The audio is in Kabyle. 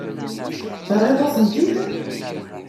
Terriḍ-asen-t-id.